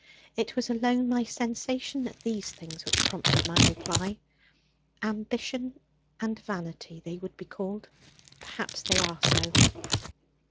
It was alone my sensations at these things which prompted my reply. Ambition and vanity they would be called; perhaps they are so.